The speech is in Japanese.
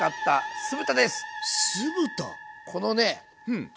酢豚⁉